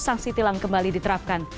sangsi tilang kembali diterapkan